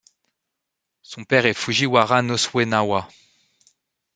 Son père est Fujiwara no Su'e nawa.